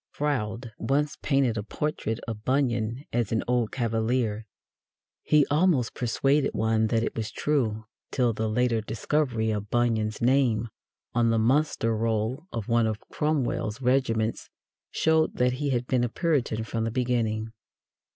Froude once painted a portrait of Bunyan as an old Cavalier. He almost persuaded one that it was true till the later discovery of Bunyan's name on the muster roll of one of Cromwell's regiments showed that he had been a Puritan from the beginning.